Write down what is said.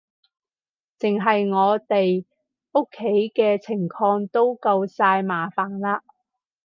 淨係我哋屋企嘅情況都夠晒麻煩喇